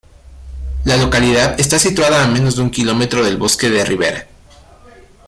La localidad está situada a menos de un kilómetro del bosque de ribera.